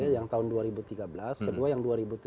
yang tahun dua ribu tiga belas kedua yang dua ribu tujuh belas